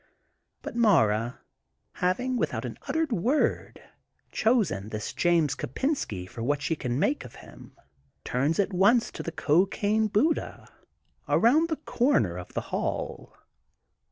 But Mara, having, without an uttered word, chosen this James Kopensky for what she can make of him, turns at once to the cocaine Buddha around the comer of the hall.